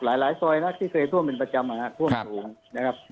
หลายซอยนะที่เคยท่วมเป็นประจำนะครับท่วมสูงนะครับ